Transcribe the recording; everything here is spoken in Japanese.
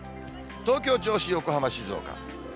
東京、銚子、横浜、静岡。